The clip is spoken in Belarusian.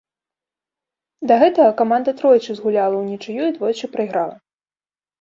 Да гэтага каманда тройчы згуляла ўнічыю і двойчы прайграла.